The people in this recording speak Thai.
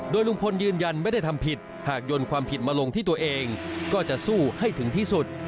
ลุงพลยืนยันไม่ได้ทำผิดหากยนต์ความผิดมาลงที่ตัวเองก็จะสู้ให้ถึงที่สุด